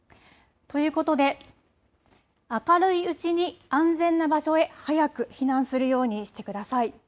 ということで明るいうちに安全な場所へ早く避難するようにしてください。